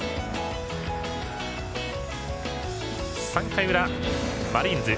３回裏、マリーンズ。